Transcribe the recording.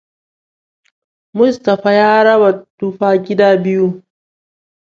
Mustapha ya raba tufa gida biyu.